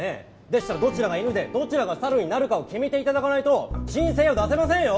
でしたらどちらが犬でどちらが猿になるかを決めて頂かないと申請を出せませんよ！